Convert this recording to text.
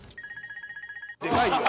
でかいよ！